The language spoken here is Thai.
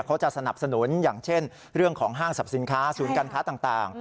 เขาจะสนับสนุนอย่างเช่นเรื่องของห้างสรรพสินค้าศูนย์การค้าต่าง